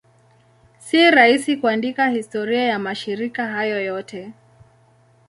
Si rahisi kuandika historia ya mashirika hayo yote.